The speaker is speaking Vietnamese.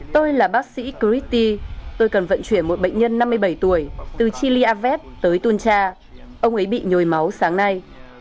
tôi là bác sĩ cristi tôi cần vận chuyển một bệnh nhân năm mươi bảy tuổi từ chiliavet tới hatuncha ông ấy bị nhồi máu sáng nay